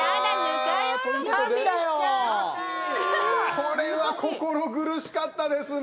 これは心苦しかったですね。